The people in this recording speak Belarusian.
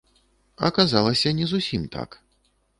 Аказалася, не зусім так.